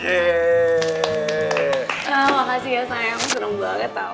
seneng banget tau